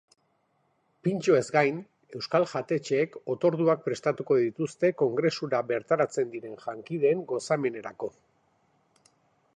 Pintxoez gain, euskal jatetxeek otorduak prestatuko dituzte kongresura bertaratzen diren jankideen gozamenerako.